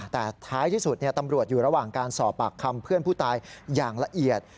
แต่ท้ายที่สุดตำรวจอยู่ระหว่างการสอบปากคำเพื่อนผู้ตายอย่างละเอียด